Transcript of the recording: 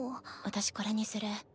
私これにする。